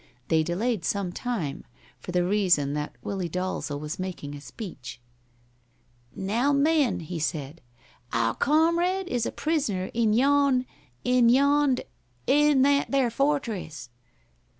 They delayed some time, for the reason that Willie Dalzel was making a speech. "Now, men," he said, "our comrade is a prisoner in yon in yond in that there fortress.